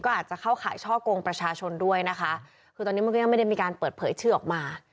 อาจจะเข้าข่ายช่อกงประชาชนด้วยนะคะคือตอนนี้มันก็ยังไม่ได้มีการเปิดเผยชื่อออกมา